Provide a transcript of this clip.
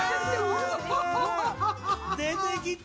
出てきた！